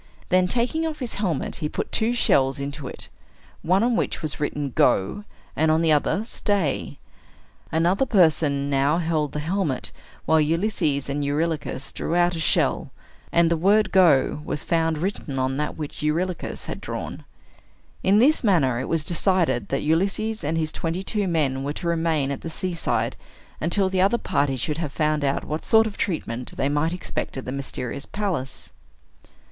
Then, taking off his helmet, he put two shells into it, on one of which was written, "Go," and on the other "Stay." Another person now held the helmet, while Ulysses and Eurylochus drew out each a shell; and the word "Go" was found written on that which Eurylochus had drawn. In this manner, it was decided that Ulysses and his twenty two men were to remain at the seaside until the other party should have found out what sort of treatment they might expect at the mysterious palace.